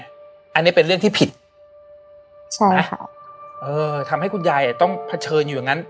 อันนี้เป็นเรื่องที่ผิดใช่ไหมเออทำให้คุณยายอ่ะต้องเผชิญอยู่อย่างนั้น